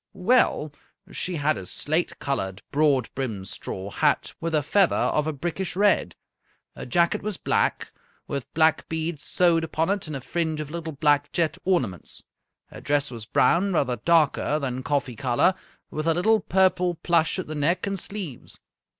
"Well, she had a slate colored, broad brimmed straw hat, with a feather of a brickish red. Her jacket was black, with black beads sewed upon it and a fringe of little black jet ornaments. Her dress was brown, rather darker than coffee color, with a little purple plush at the neck and sleeves.